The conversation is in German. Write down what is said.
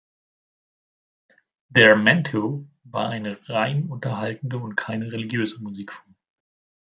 Der Mento war eine rein unterhaltende und keine religiöse Musikform.